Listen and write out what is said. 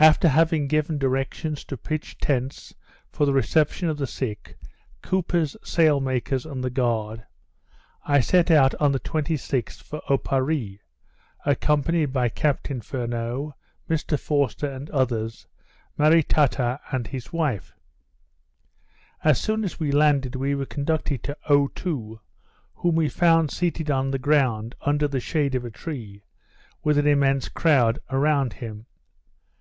After having given directions to pitch tents for the reception of the sick, coopers, sail makers, and the guard, I set out on the 26th for Oparree; accompanied by Captain Furneaux, Mr Forster, and others, Maritata and his wife. As soon as we landed, we were conducted to Otoo, whom we found seated on the ground, under the shade of a tree, with an immense crowd around him.